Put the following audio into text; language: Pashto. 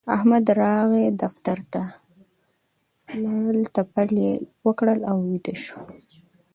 احمد راغی دفتر ته؛ لړل تپل يې وکړل او ويده شو.